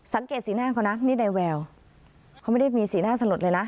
สังเกตสีหน้าเขานะนี่ในแววเขาไม่ได้มีสีหน้าสลดเลยนะ